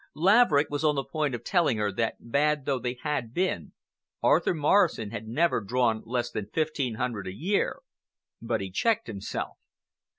Laverick was on the point of telling her that bad though they had been Arthur Morrison had never drawn less than fifteen hundred a year, but he checked himself.